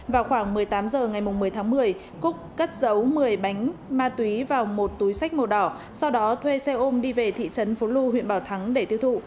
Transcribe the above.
vào khoảng một mươi tám h ngày một mươi tháng một mươi cúc cất giấu một mươi bánh ma túy vào một túi sách màu đỏ sau đó thuê xe ôm đi về thị trấn phố lu huyện bảo thắng để tiêu thụ